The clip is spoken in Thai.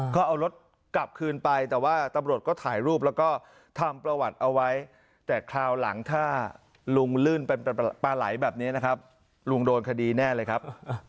ก็เอารถกลับคืนไปแต่ว่าตำรวจก็ถ่ายรูปแล้วก็ทำประวัติเอาไว้แต่คราวหลังถ้าลุงลื่นเป็นปลาไหลแบบนี้นะครับลุงโดนคดีแน่เลยครับ